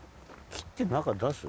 切って中出す？